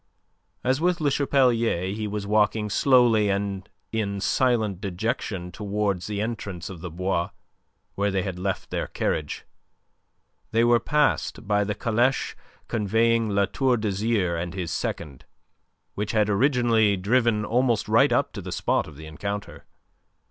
As, with Le Chapelier, he was walking slowly and in silent dejection towards the entrance of the Bois, where they had left their carriage, they were passed by the caleche conveying La Tour d'Azyr and his second which had originally driven almost right up to the spot of the encounter.